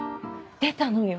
出たのよ